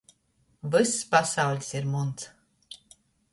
Vyss pasauļs ir muns.